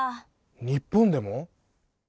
日本でも！？